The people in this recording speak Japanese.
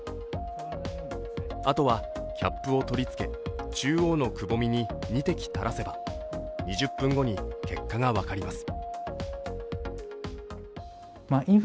あとはキャップを取り付け中央のくぼみに２滴垂らせば、２０分後に結果が分かります。